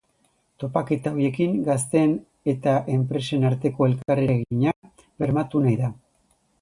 Topaketa horiekin gazteen eta enpresen arteko elkarreragina bermatu nahi da.